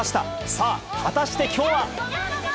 さあ、果たしてきょうは。